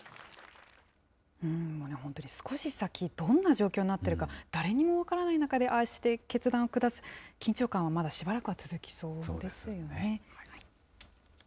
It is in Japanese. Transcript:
本当に少し先、どんな状況になっているか、誰にも分からない中で、ああして決断を下す、緊張感はまだしばらくは続きそうですよね。